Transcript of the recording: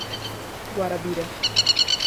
Guarabira